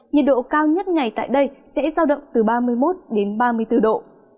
nhiệt độ cao nhất ngày tại đây sẽ giao động từ ba mươi một đến ba mươi bốn độ